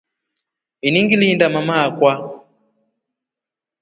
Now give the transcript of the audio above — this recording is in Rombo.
Ini ngilinda mama akwa.